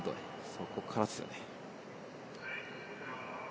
そこからですよね。